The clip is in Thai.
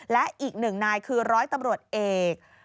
และอีกหนึ่งนายคือร้อยตำรวจเอก